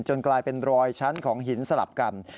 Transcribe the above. กลายเป็นรอยชั้นของหินสลับกัน